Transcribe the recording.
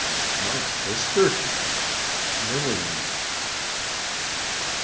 "My sister!" "Lilian."